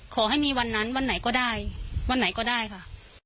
ขอให้มีวันนั้นวันไหนก็ได้วันไหนก็ได้ค่ะ